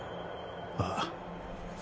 ああ。